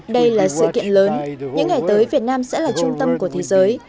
đây là sự kiện lớn những ngày tới việt nam sẽ là trung tâm của thế giới